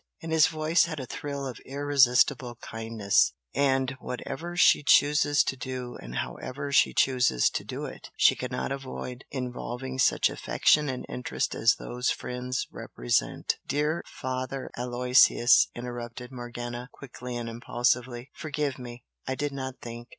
and his voice had a thrill of irresistible kindness "And whatever she chooses to do, and however she chooses to do it, she cannot avoid involving such affection and interest as those friends represent " "Dear Father Aloysius!" interrupted Morgana, quickly and impulsively "Forgive me! I did not think!